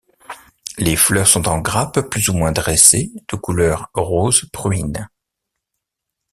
Les fleurs sont en grappes plus ou moins dressées, de couleur rose-pruine.